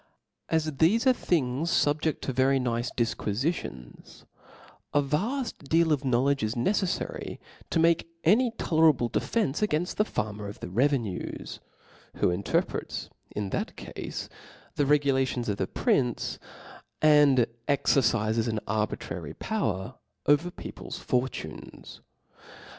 As thefe are ', things fubjeft to' very nice difquifitions, a vaft deal of knowledge is neceffary to make any toler able defence againft the farmer of the revenues, who interprets, in that cafe, the regulations of the prince, and exercifes an arbitrary power over peo ple's fortunes.